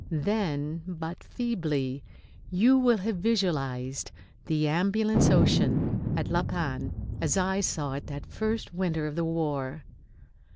Then, but feebly, you will have visualised the Ambulance Ocean at La Panne as I saw it that first winter of the war.